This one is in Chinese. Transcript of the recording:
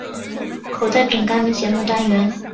口袋饼干的节目单元。